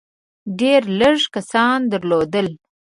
ډېر لږ کسان درلودل.